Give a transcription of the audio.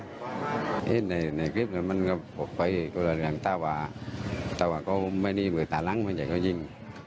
นี่ในในคลิปนี้มันก็พบไปกับหลังตาวาตาวาก็ไม่มีมือตาหลังมันใหญ่ก็ยิ่ง